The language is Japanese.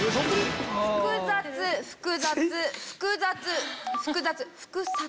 「複雑」「複雑」「複雑」「複雑」「複殺」？